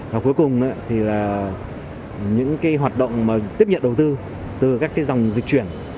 và cuối cùng thì là những hoạt động tiếp nhận đầu tư từ các dòng dịch chuyển